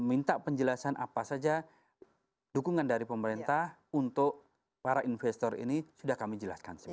dan minta penjelasan apa saja dukungan dari pemerintah untuk para investor ini sudah kami jelaskan